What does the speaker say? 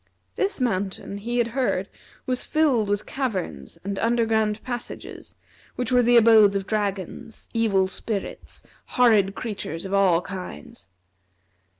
This mountain he had heard was filled with caverns and under ground passages, which were the abodes of dragons, evil spirits, horrid creatures of all kinds.